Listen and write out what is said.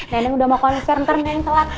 neneng udah mau konser ntar neneng telat